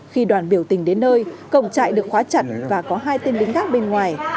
khi đoàn biểu tình đến nơi cổng trại được khóa chặt và có hai tên lính gác bên ngoài